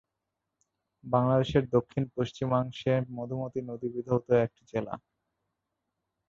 বাংলাদেশের দক্ষিণ পশ্চিমাংশে মধুমতি নদী বিধৌত একটি জেলা।